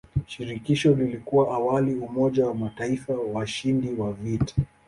Shirikisho lilikuwa awali umoja wa mataifa washindi wa vita.